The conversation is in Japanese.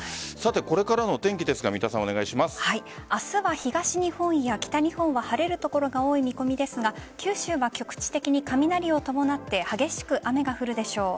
これからの天気ですが明日は、東日本や北日本は晴れる所が多い見込みですが九州は局地的に雷を伴って激しく雨が降るでしょう。